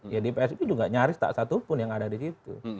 ya di psi juga nyaris tak satupun yang ada di situ